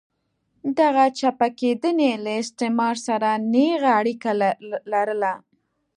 دغې چپه کېدنې له استعمار سره نېغه اړیکه لرله.